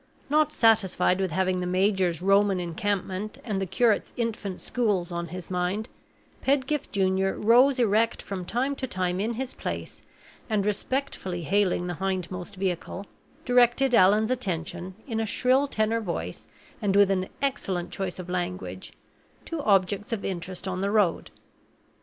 Not satisfied with having the major's Roman encampment and the curate's Infant Schools on his mind, Pedgift Junior rose erect from time to time in his place, and, respectfully hailing the hindmost vehicle, directed Allan's attention, in a shrill tenor voice, and with an excellent choice of language, to objects of interest on the road.